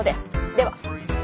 では。